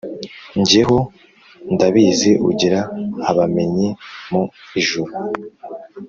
jye ho ndabizi ugira abamenyi mu ijuru.